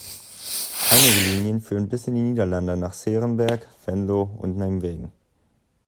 Einige Linien führen bis in die Niederlande nach ’s-Heerenberg, Venlo und Nijmegen.